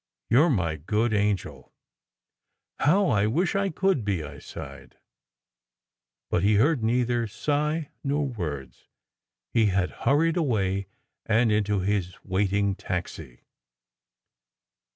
You re my good angel!" " How I wish I could be !" I sighed. But he heard neither sigh nor words. He had hurried away and into his waiting taxi.